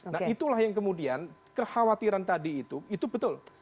nah itulah yang kemudian kekhawatiran tadi itu itu betul